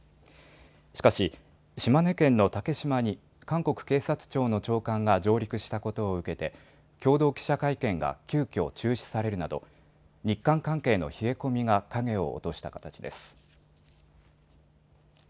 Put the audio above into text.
しかし島根県の竹島に韓国警察庁の長官が上陸したことを受けて共同記者会見が急きょ中止されるなど日韓関係の冷え込みが影を落とした形です。